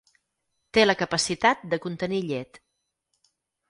Té la capacitat de contenir llet.